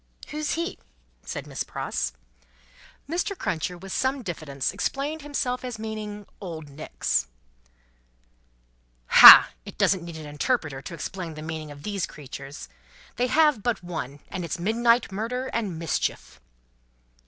"Who's he?" said Miss Pross. Mr. Cruncher, with some diffidence, explained himself as meaning "Old Nick's." "Ha!" said Miss Pross, "it doesn't need an interpreter to explain the meaning of these creatures. They have but one, and it's Midnight Murder, and Mischief."